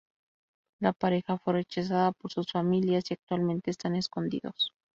La pareja fue rechazada por sus familias y actualmente están escondidos.